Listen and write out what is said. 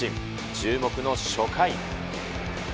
注目の初回。